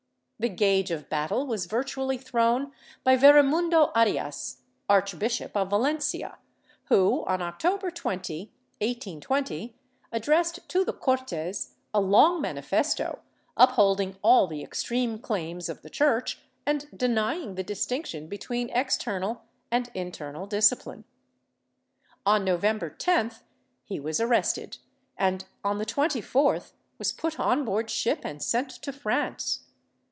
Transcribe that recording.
The gage of battle was virtually thrown by Veremundo Arias, Archbishop of Valencia, who, on October 20, 1820, addressed to the Cortes a long manifesto, upholding all the extreme claims of the Church, and denying the distinction between external and internal disci pline. On November 10th he was arrested and, on the 24th, was put on board ship and sent to France.